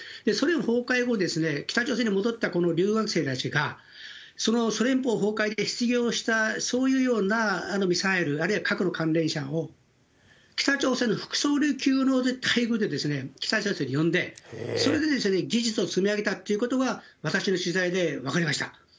ソ連崩壊後、北朝鮮に戻ったこの留学生たちが、ソ連邦崩壊で失業したそういうようなミサイル、あるいは核の関連者を北朝鮮の副総理級の待遇で、北朝鮮に呼んで、それで技術を積み上げたっていうことが、私の取材で分かりました。